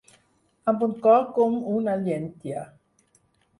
Amb un cor com una llentia.